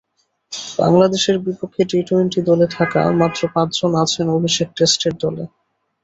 বাংলাদেশের বিপক্ষে T twenty দলে থাকা মাত্র পাঁচজন আছেন অভিষেক টেস্টের দলে।